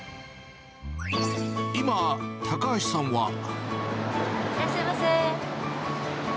今、高橋さんは。